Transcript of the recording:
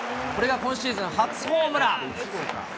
これが今シーズン初ホームラン。